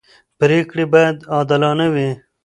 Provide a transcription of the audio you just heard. پرېکړې باید عادلانه وي